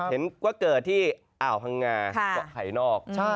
เห็นว่าเกิดที่อ่าวฮังงาเกาะไข่นอก